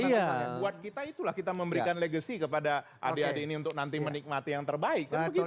iya buat kita itulah kita memberikan legacy kepada adik adik ini untuk nanti menikmati yang terbaik